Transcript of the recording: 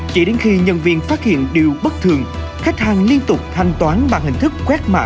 chỉ đến khi nhân viên phát hiện điều bất thường khách hàng liên tục thanh toán bằng hình thức quét mã